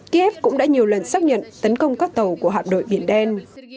kiev cũng đã nhiều lần xác nhận tấn công các tàu của hạm đội biển đen